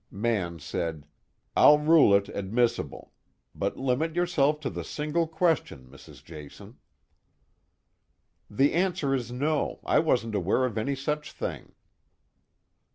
Mann said: "I'll rule it admissible. But limit yourself to the single question, Mrs. Jason." "The answer is no, I wasn't aware of any such thing."